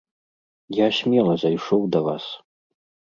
Я смела зайшоў да вас.